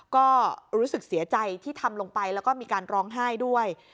ก็รู้สึกเสียใจที่ทำลงไปแล้วก็มีการร้องไห้ด้วย